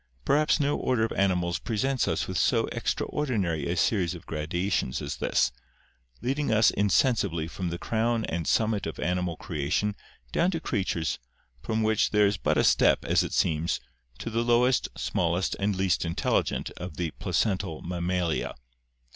... Perhaps no order of mammals presents us with so ex traordinary a series of gradations as this — leading us insensibly from the crown and summit of animal creation down to creatures, from which there is but a step, as it seems, to the lowest, smallest, and least intelligent of the placental Mammalia.